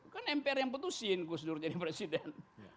kan mpr yang putusin gus dur jadi presiden